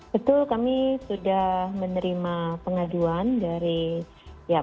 betul kami sudah menerima pengaduan dari pihak